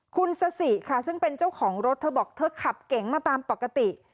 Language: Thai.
คุณสสิค่ะซึ่งเป็นเจ้าของรถเธอบอกเธอขับเก๋งมาตามปกติ